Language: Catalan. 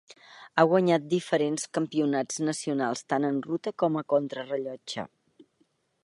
Ha guanyat diferents campionats nacionals tant en ruta com en contrarellotge.